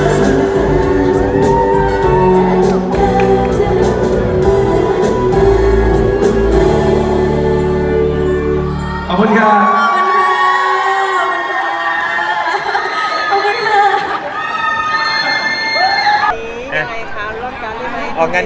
ฉันรักเธอให้ยังไม่ให้เธอไปนานนาน